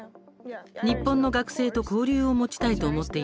日本の学生と交流を持ちたいと思っていますが、なかなか